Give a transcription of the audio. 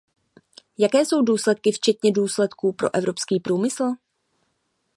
Jaké jsou důsledky, včetně důsledků pro evropský průmysl?